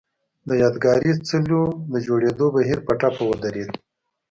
د یادګاري څليو د جوړېدو بهیر په ټپه ودرېد.